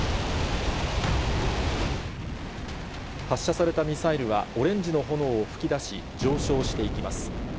発射されたミサイルは、オレンジの炎を噴き出し、上昇していきます。